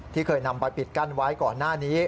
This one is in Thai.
เคยนำไปปิดกั้นไว้ก่อนหน้านี้